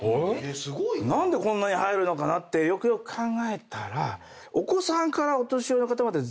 何でこんなに入るのかなってよくよく考えたら。